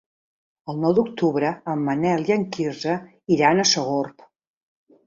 El nou d'octubre en Manel i en Quirze iran a Sogorb.